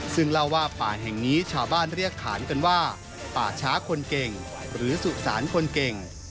ซึ่งเล่าว่าป่าแห่งนี้ชาวบ้านเรียกขานกันว่าป่าช้าคนเก่งหรือสุสานคนเก่ง